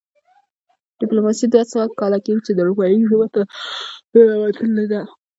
ډیپلوماسي دوه سوه کاله کیږي چې اروپايي ژبو ته ننوتلې ده